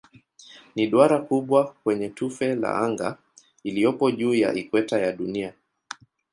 Ni duara kubwa kwenye tufe la anga iliyopo juu ya ikweta ya Dunia.